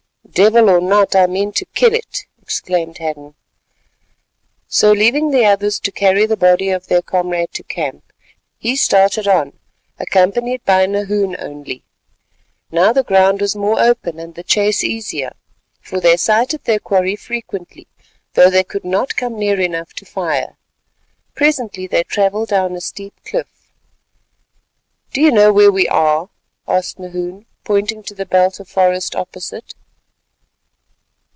"Devil or not, I mean to kill it," exclaimed Hadden. So leaving the others to carry the body of their comrade to camp, he started on accompanied by Nahoon only. Now the ground was more open and the chase easier, for they sighted their quarry frequently, though they could not come near enough to fire. Presently they travelled down a steep cliff. "Do you know where we are?" asked Nahoon, pointing to a belt of forest opposite.